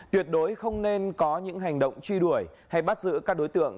tuyệt đối không nên có những hành động truy đuổi hay bắt giữ các đối tượng